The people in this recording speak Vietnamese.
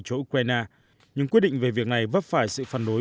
cho ukraine nhưng quyết định về việc này vấp phải sự phản đối